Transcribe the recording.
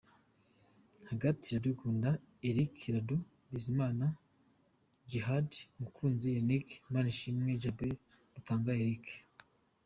Hagat: Iradukunda Eric Radu, Bizimana Djihad, Mukunzi Yannick, Manishimwe Djabel, Rutanga Eric.